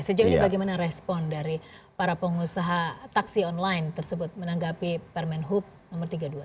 sejauh ini bagaimana respon dari para pengusaha taksi online tersebut menanggapi permen hub nomor tiga puluh dua